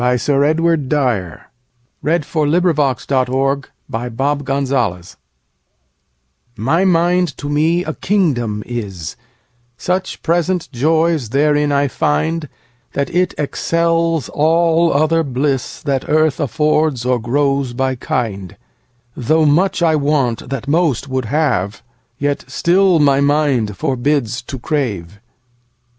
Sir Edward Dyer 51. My Mind to Me a Kingdom Is MY mind to me a kingdom is; Such present joys therein I find, That it excels all other blissThat earth affords or grows by kind:Though much I want that most would have, Yet still my mind forbids to crave.